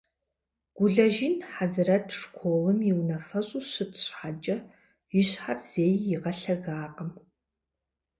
Гулэжын Хьэзрэт школым и унафэщӏу щыт щхьэкӏэ и щхьэр зэи игъэлъэгакъым.